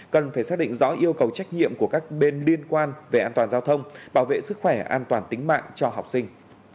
cần phải xác định rõ yêu cầu trách nhiệm của các bên liên quan về an toàn giao thông bảo vệ sức khỏe an toàn tính mạng cho học sinh